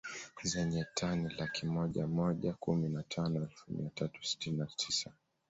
Zenye tani laki moja moja kumi na tano elfu mia tatu sitini na tisa